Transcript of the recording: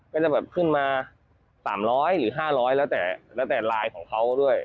เป็นการขึ้นมา๓๐๐หรือ๕๐๐แล้วแต่ลายของเขาด้วย